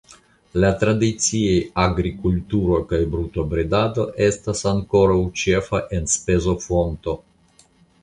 La tradiciaj agrikulturo kaj brutobredado estas ankoraŭ ĉefa enspezofonto.